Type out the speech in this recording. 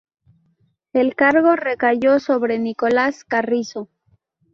El cargo recayó sobre Nicolás Carrizo.